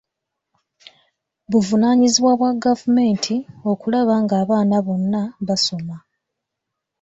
Buvunaanyizibwa bwa gavumenti okulaba ng'abaana bonna basoma.